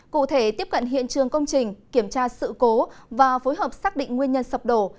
cụ thể tiếp cận hiện trường công trình kiểm tra sự cố và phối hợp xác định nguyên nhân sập đổ